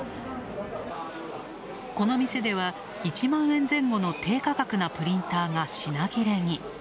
この店では、１万円前後の低価格のプリンターが品切れに。